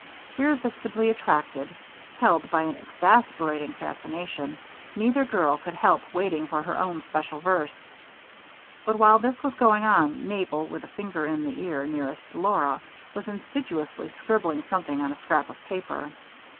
Irresistibly attracted, held by an exasperating fascination, neither girl could help waiting for her own special verse. But while this was going on, Mabel, with a finger in the ear nearest Laura, was industriously scribbling something on a scrap of paper.